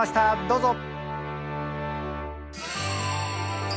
どうぞ！